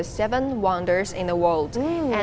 tujuh perang di dunia